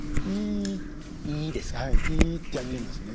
イーってやってみますね。